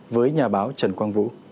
với nhà báo trần quang vũ